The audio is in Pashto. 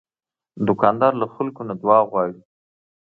دوکاندار له خلکو نه دعا غواړي.